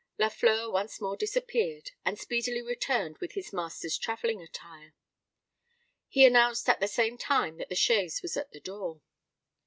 Lafleur once more disappeared, and speedily returned with his master's travelling attire. He announced at the same time that the chaise was at the door.